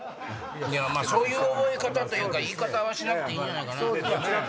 そういう覚え方というか言い方はしなくていいんじゃないかな。